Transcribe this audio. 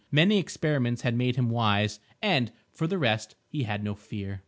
Many experiments had made him wise. And, for the rest, he had no fear.